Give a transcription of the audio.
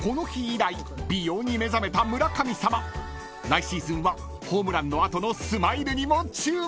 ［来シーズンはホームランの後のスマイルにも注目！］